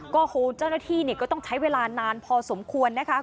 โอ้โหเจ้าหน้าที่ก็ต้องใช้เวลานานพอสมควรนะคะ